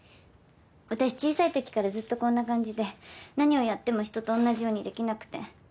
私小さいときからずっとこんな感じで何をやっても人とおんなじようにできなくて。